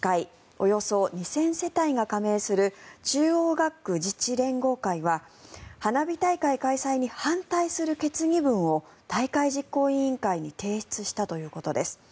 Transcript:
およそ２０００世帯が加盟する中央学区自治連合会は花火大会開催に反対する決議文を大会実行委員会に提出したということです。